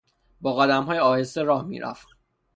با قدمهای آهسته راه میرفت.